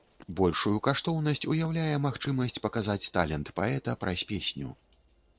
Большую каштоўнасць уяўляе магчымасць паказаць талент паэта праз песню.